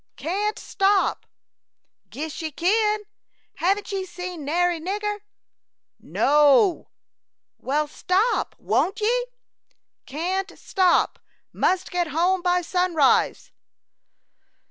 "Can't stop." "Guess ye kin. Heven't ye seen nary nigger?" "No." "Well, stop won't ye?" "Can't stop; must get home by sunrise."